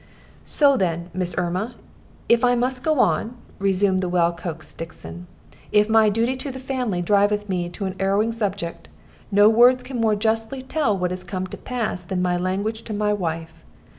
"So then, Miss Erma, if I must go on," resumed the well coaxed Stixon, "if my duty to the family driveth me to an 'arrowing subjeck, no words can more justly tell what come to pass than my language to my wife.